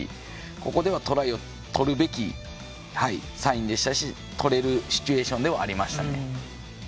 ここではトライを取るべきサインでしたしとれるシチュエーションでもありました。